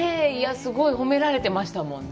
すごい褒められてましたね。